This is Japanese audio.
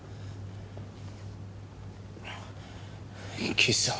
岸さん